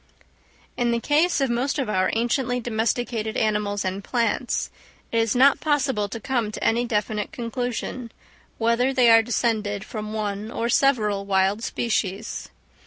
In the case of most of our anciently domesticated animals and plants, it is not possible to come to any definite conclusion, whether they are descended from one or several wild species.